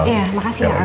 ya makasih ya